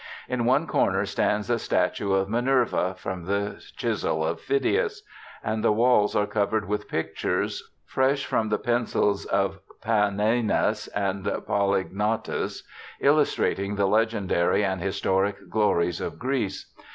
In one corner stands a statue of Minerva, from the chisel of Phidias ; and the walls are covered with pictures, fresh from the pencils of Panaenus and Polygnotus, illustrating the legendary and historic glories of Greece.